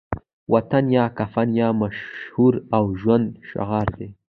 وطن یا کفن يو مشهور او ژوندی شعار دی